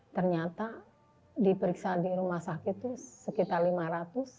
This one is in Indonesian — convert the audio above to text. ternyata diperiksa di rumah sakit itu sekitar lima ratus tiga puluh dua